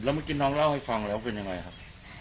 เมื่อกี้น้องเล่าให้ฟังแล้วเป็นยังไงครับ